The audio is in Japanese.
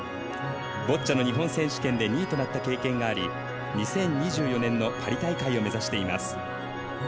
ボッチャの日本選手権で２位となった経験があり、２０２４年のパリ大会を目指しています。